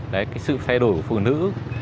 cái sự thay đổi của phụ nữ